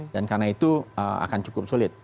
dan karena itu akan cukup sulit